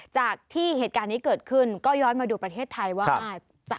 จากที่เหตุการณ์นี้เกิดขึ้นก็ย้อนมาดูประเทศไทยว่า